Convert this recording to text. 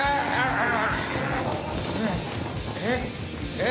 えっ？